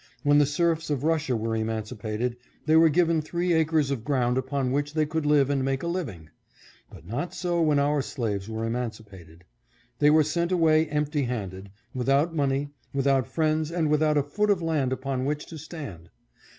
When the serfs of Russia were emancipated, they were given three acres of ground upon which they could live and make a living. But not so when our slaves were emanci pated. They were sent away empty handed, without money, without friends and without a foot of land upon which to stand.